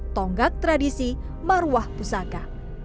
tonggak tradisi maruah pusaka